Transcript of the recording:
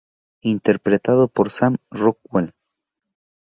Interpretado por Sam Rockwell.